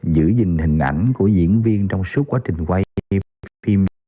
giữ gìn hình ảnh của diễn viên trong suốt quá trình quay phim